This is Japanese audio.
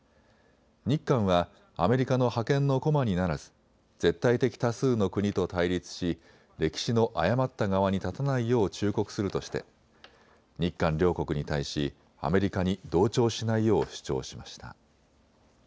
日韓はアメリカの覇権の駒にならず絶対的多数の国と対立し歴史の誤った側に立たないよう忠告するとして日韓両国に対しアメリカに同調しないよう主張しました。